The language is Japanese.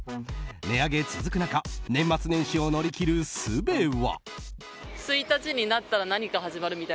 値上げ続く中年末年始を乗り切るすべは？